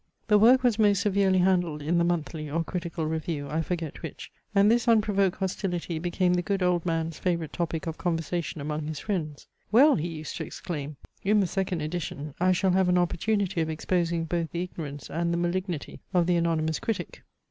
The work was most severely handled in THE MONTHLY or CRITICAL REVIEW, I forget which; and this unprovoked hostility became the good old man's favourite topic of conversation among his friends. "Well!" (he used to exclaim,) "in the second edition, I shall have an opportunity of exposing both the ignorance and the malignity of the anonymous critic."